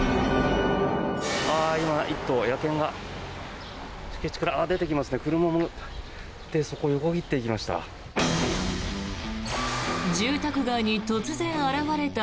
今１頭、野犬が敷地から出てきまして車が来てそこを横切っていきました。